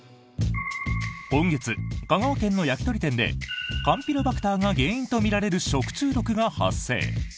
今月、香川県の焼き鳥店でカンピロバクターが原因とみられる食中毒が発生。